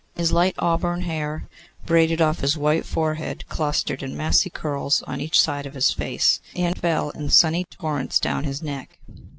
His light auburn hair, braided off his white forehead, clustered in massy curls on each side of his face, and fell in sunny torrents down his neck.